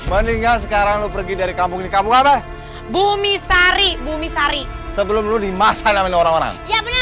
mendingan sekarang lu pergi dari kampung kampung bumi sari bumi sari sebelum dimasak dengan orang orang